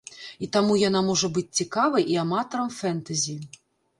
І таму яна можа быць цікавай і аматарам фэнтэзі.